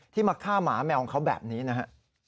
มาฆ่าหมาแมวของเขาแบบนี้นะฮะ